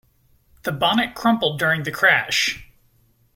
The bonnet crumpled during the crash.